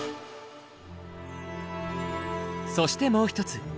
そしてもう一つ。